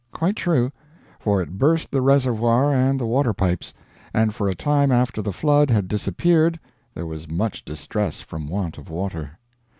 Quite true; for it burst the reservoir and the water pipes; and for a time after the flood had disappeared there was much distress from want of water.